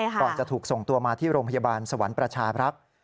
ก่อนจะถูกส่งตัวมาที่โรงพยาบาลสวรรค์ประชาบรักษ์